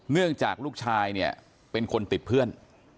เนื่องจากลูกชายเนี่ยเป็นคนติดเพื่อน